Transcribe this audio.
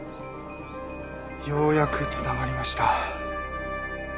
ようやく繋がりました。